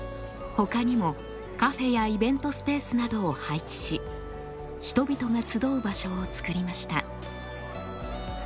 他にもカフェやイベントスペースなどを配置し人々が集う場所を作りました。